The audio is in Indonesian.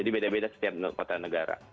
di beda beda setiap kota negara